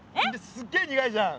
すっげえ苦いじゃん。